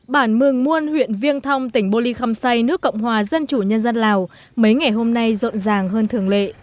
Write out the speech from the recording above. bản mừng muôn huyện viên thong tỉnh bô lê khăm say nước cộng hòa dân chủ nhân dân lào mấy ngày hôm nay rộn ràng hơn thường lệ